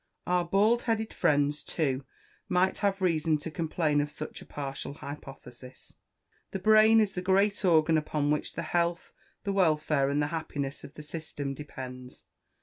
Our bald headed friends, too, might have reason to complain of such a partial hypothesis. The brain is the great organ upon which the health, the welfare, and the happiness of the system depends.